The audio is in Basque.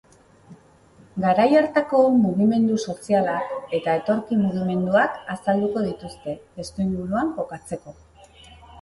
Garai hartako mugimendu sozialak eta etorkin mugimenduak azalduko dituzte, testuinguruan kokatzeko.